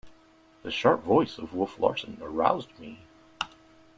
The sharp voice of Wolf Larsen aroused me.